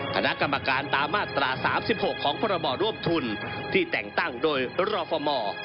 คณะกรรมการตามมาตรา๓๖ของพรบร่วมทุนที่แต่งตั้งโดยรอฟม